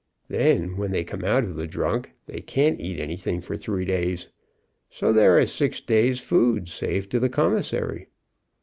Then when they come out of the drunk they can't eat anything for three days, so there is six days' food saved to the commissary.